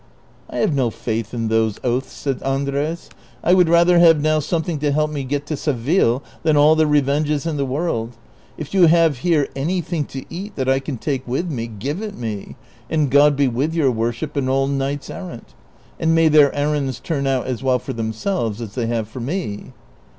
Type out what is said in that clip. " I have no faith in those oaths," said Andres ;" I would rather have now something to help me to get to Seville than all the revenges in the world : if you have here anything to eat that I can take with me, give it me, and God be Avith your worship and all knights errant ; and may their errands turn out as well for themselves as they have for me."